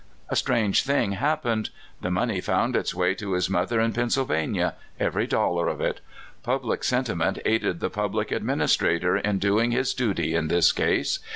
A strange thing happened: the money found its way to his mother in Pennsylva nia, every dollar of it. Public sentiment aided the California Traits. 181 public administrator in doing his duty in tliis case.